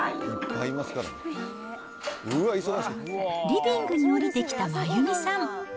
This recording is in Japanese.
リビングに下りてきた真弓さん。